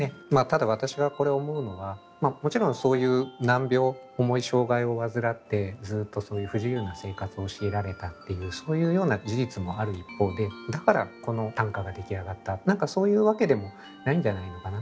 ただ私がこれ思うのはもちろんそういう難病重い障害を患ってずっとそういう不自由な生活を強いられたっていうそういうような事実もある一方でだからこの短歌が出来上がった何かそういうわけでもないんじゃないのかな。